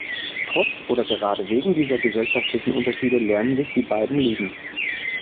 Trotz, oder gerade wegen dieser gesellschaftlichen Unterschiede lernen sich die beiden lieben.